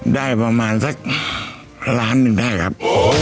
ได้ประมาณสักล้านหนึ่งได้ครับ